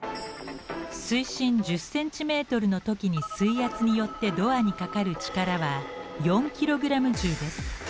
水深１０ｃｍの時に水圧によってドアにかかる力は４ｋｇ重です。